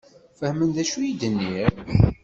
Fehmen d acu i d-nniɣ?